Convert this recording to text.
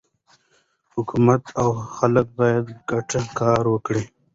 حکومت او خلک باید ګډ کار وکړي.